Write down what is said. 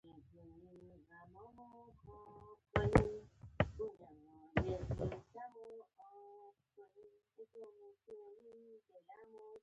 کوتره د انسان غږ پېژني.